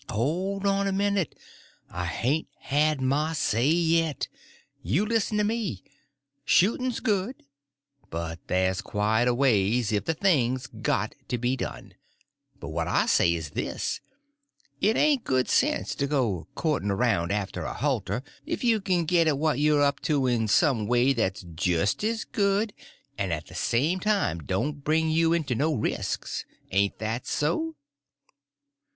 "Hold on a minute; I hain't had my say yit. You listen to me. Shooting's good, but there's quieter ways if the thing's got to be done. But what I say is this: it ain't good sense to go court'n around after a halter if you can git at what you're up to in some way that's jist as good and at the same time don't bring you into no resks. Ain't that so?"